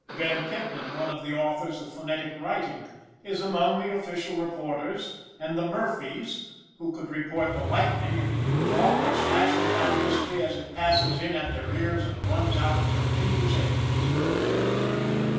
Ber. Pitman, one of the authors of phonetic writing, is among the official reporters, and the Murphies, who could report the lightning, if it could talk, are slashing down history as it passes in at their ears and runs out at their fingers' ends.